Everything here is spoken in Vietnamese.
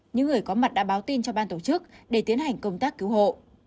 những người có mặt đã báo tin cho ban tổ chức để tiến hành công tác cứu hộ